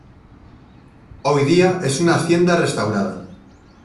Hoy día es una hacienda restaurada.